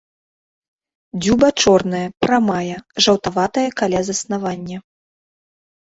Дзюба чорная, прамая, жаўтаватая каля заснавання.